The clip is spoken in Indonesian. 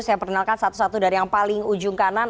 saya perkenalkan satu satu dari yang paling ujung kanan